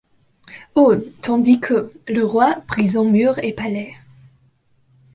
Oh ! tandis que ! le roi, brisant murs et palais